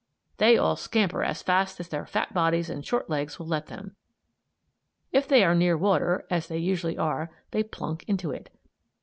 They all scamper as fast as their fat bodies and short legs will let them. If they are near water, as they usually are they "plunk" into it.